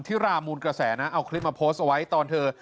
รามูลกระแสนะเอาคลิปมาโพสต์เอาไว้ตอนเธอ